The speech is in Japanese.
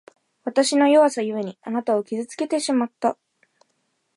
わたしの弱さゆえに、あなたを傷つけてしまった。